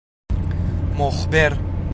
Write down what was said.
مخبر